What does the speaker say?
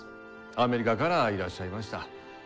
アメリカからいらっしゃいました。